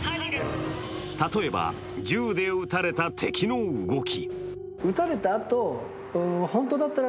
例えば、銃で撃たれた敵の動き。